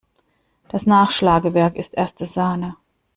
Das Nachschlagewerk ist erste Sahne!